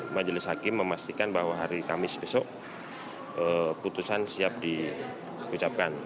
majelis hakim memastikan bahwa hari kamis besok putusan siap diucapkan